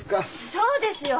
そうですよ！